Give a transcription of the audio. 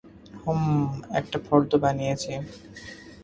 হুম, একটা ফর্দ বানিয়েছি।